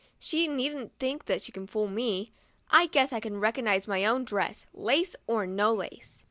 She needn't think she can fool me ; I guess I can recognize my own dress, lace or no lace."